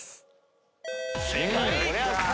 正解。